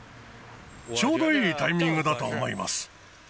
ちょうどいいタイミングだと思います。